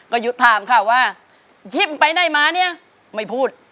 ก็หยุดถามค่ะว่ายิ้มไปไหนมาเนี่ยไม่พูด